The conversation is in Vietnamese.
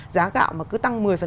giá gạo mà cứ tăng một mươi